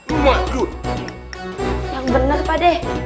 itukan sayuran masih mentah padeh